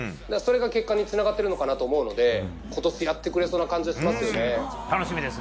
それが結果につながっているのかなと思うので今年やってくれそうな感じがしますね。